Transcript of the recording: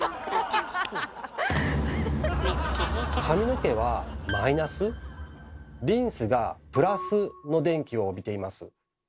髪の毛はマイナスリンスがプラスの電気を帯びています。